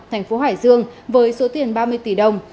thành phố hải dương với số tiền ba mươi tỷ đồng